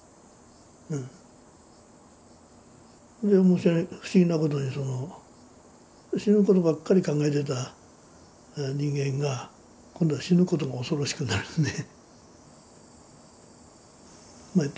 もうそれ不思議なことにその死ぬことばっかり考えてた人間が今度は死ぬことが恐ろしくなるのね。